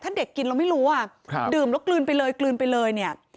ถ้าเด็กกินแล้วไม่รู้อ่ะดื่มแล้วกลืนไปเลยเนี่ย